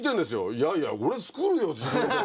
いやいや俺作るよ自分でって。